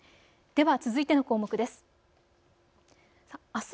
では続いての項目です。